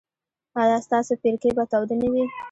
ایا ستاسو پیرکي به تاوده نه وي؟